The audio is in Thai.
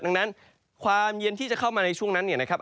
ดังนั้นความเย็นที่จะเข้ามาในช่วงนั้นเนี่ยนะครับ